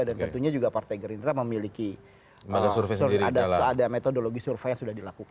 dan tentunya juga partai gerindra memiliki ada metodologi survei yang sudah dilakukan